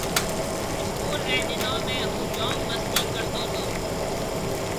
اسڪول ريَ ڏنون ۾ هُون جوم مستِي ڪرتو تو۔